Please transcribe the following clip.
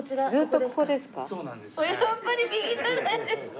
やっぱり右じゃないですか。